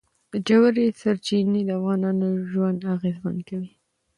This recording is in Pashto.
ژورې سرچینې د افغانانو ژوند اغېزمن کوي.